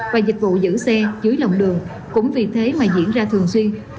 và dịch vụ giữ xe dưới lòng đường cũng vì thế mà diễn ra thường xuyên